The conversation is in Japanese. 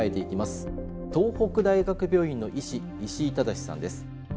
東北大学病院の医師石井正さんです。